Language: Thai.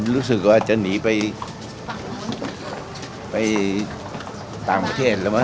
รู้สึกว่าจะหนีไปต่างประเทศแล้วมั